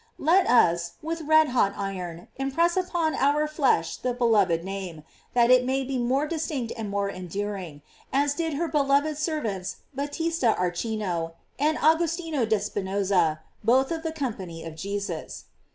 Let us, with red hot iron, impress upon our flesh the beloved name, that it may be more distinct and more enduring, as did her devoted servants Battista Archinto and Agostino d'Espinosa, both of the Company of Jesus.